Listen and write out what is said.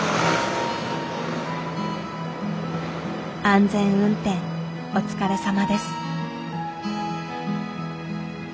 安全運転お疲れさまです。